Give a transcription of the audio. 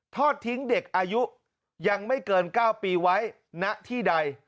ทอดทิ้งเด็กอายุยังไม่เกิน๙ปีไว้ณที่ใด